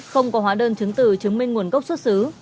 không có hóa đơn chứng từ chứng minh nguồn gốc xuất xứ